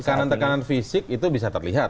tekanan tekanan fisik itu bisa terlihat